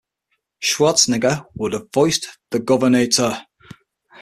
Schwarzenegger would have voiced the Governator.